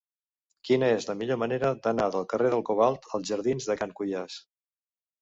Quina és la millor manera d'anar del carrer del Cobalt als jardins de Can Cuiàs?